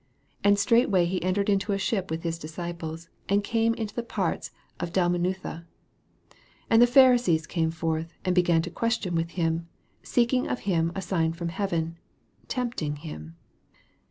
10 And straightway he entered into a ship with his disciples, and came into tne parts of Dalmanutha. 11 And the Pharisees came forth, and began to question with him, seeking of him a sign from heaven, tempting him.